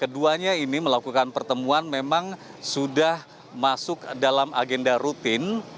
pertemuan yang terakhir ini melakukan pertemuan memang sudah masuk dalam agenda rutin